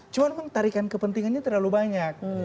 cuma memang tarikan kepentingannya terlalu banyak